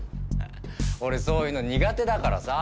俺そういうの苦手だからさあ。